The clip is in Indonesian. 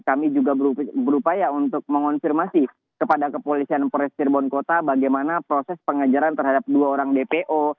kami juga berupaya untuk mengonfirmasi kepada kepolisian polres cirebon kota bagaimana proses pengajaran terhadap dua orang dpo